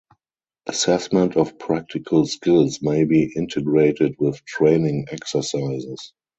Assessment of practical skills may be integrated with training exercises.